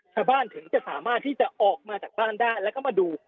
ถึงจะสามารถที่จะออกมาจากบ้านได้แล้วก็มาดู